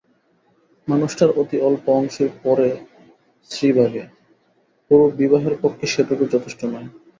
মানুষটার অতি অল্প অংশই পড়ে স্ত্রী ভাগে, পুরো বিবাহের পক্ষে সেটুকু যথেষ্ট নয়।